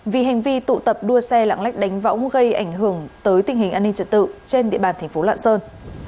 vì hành vi tụ tập đua xe lãng lách đánh võng gây ảnh hưởng tới tình hình an ninh trật tự trên địa bàn thành phố lạng sơn